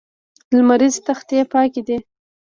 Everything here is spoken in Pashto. لمریزې تختې پاکې دي.